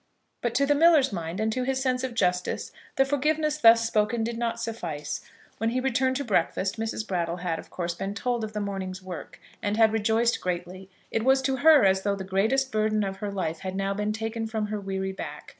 But to the miller's mind, and to his sense of justice, the forgiveness thus spoken did not suffice. When he returned to breakfast, Mrs. Brattle had, of course, been told of the morning's work, and had rejoiced greatly. It was to her as though the greatest burden of her life had now been taken from her weary back.